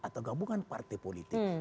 atau gabungan partai politik